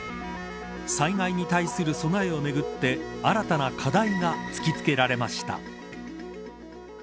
災害に対する備えをめぐって新たな課題が突き付けられました。